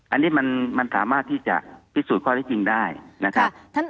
อันนี้มันสามารถที่จะพิสูจน์ข้อที่จริงได้นะครับ